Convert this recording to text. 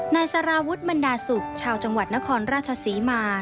นายสารวุฒิบรรดาศุกร์ชาวจังหวัดนครราชศรีมา